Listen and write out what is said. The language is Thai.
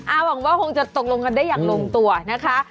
หวังว่าคงจะตกลงกันได้อย่างลงตัวนะคะ